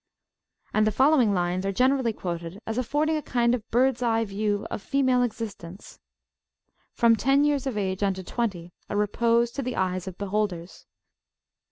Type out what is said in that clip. And the following lines are generally quoted, as affording a kind of birds eye view of female existence: From 10 (years of age) unto 20, A repose to the eyes of beholders.